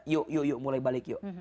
yuk yuk yuk mulai balik yuk